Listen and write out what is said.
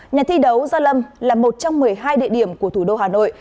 nhà thi đấu gia lâm là một trong một mươi hai địa điểm của thủ đô hà nội